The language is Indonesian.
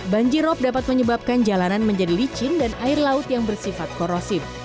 banjirop dapat menyebabkan jalanan menjadi licin dan air laut yang bersifat korosif